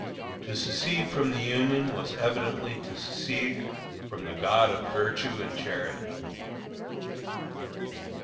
To secede from the Union was evidently to secede from the God of virtue and charity.